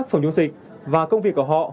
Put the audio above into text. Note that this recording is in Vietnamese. các phòng chống dịch và công việc của họ